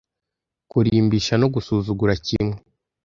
kurimbisha no gusuzugura kimwe